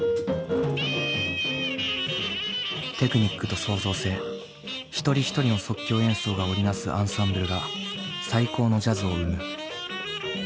テクニックと創造性一人一人の即興演奏が織り成すアンサンブルが最高のジャズを生む。